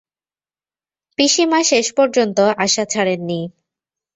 পিসিমা শেষ পর্যন্ত আশা ছাড়েন নি।